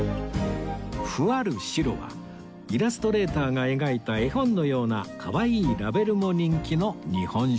「ふわる白」はイラストレーターが描いた絵本のようなかわいいラベルも人気の日本酒